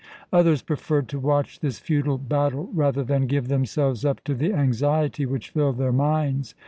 Others preferred to watch this futile battle rather than give themselves up to the anxiety which filled their minds.